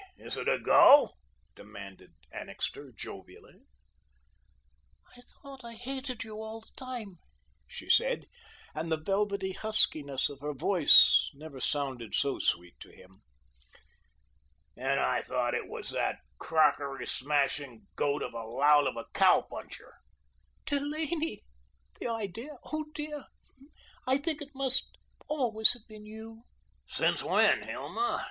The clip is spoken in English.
Is it a go?" demanded Annixter jovially. "I thought I hated you all the time," she said, and the velvety huskiness of her voice never sounded so sweet to him. "And I thought it was that crockery smashing goat of a lout of a cow puncher." "Delaney? The idea! Oh, dear! I think it must always have been you." "Since when, Hilma?"